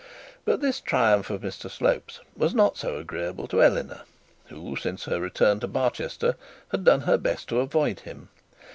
But this triumph of Mr Slope's was not so agreeable to Eleanor, who since her return to Barchester had done her best to avoid him.